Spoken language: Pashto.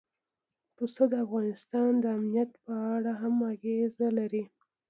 پسه د افغانستان د امنیت په اړه هم اغېز لري.